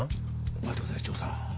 まって下さいチョウさん。